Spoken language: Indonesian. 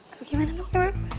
aduh gimana beb